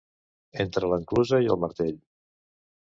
Entre l'enclusa i el martell.